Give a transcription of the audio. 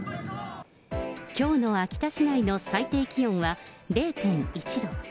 きょうの秋田市内の最低気温は０．１度。